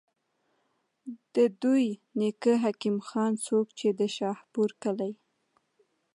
د دوي نيکۀ حکيم خان، څوک چې د شاهپور کلي